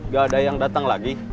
gak ada yang datang lagi